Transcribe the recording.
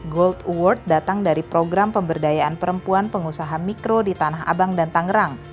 gold award datang dari program pemberdayaan perempuan pengusaha mikro di tanah abang dan tangerang